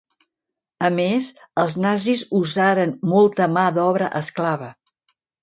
A més, els nazis usaren molta mà d'obra esclava.